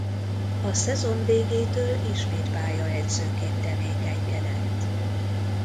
A szezon végétől ismét pályaedzőként tevékenykedett.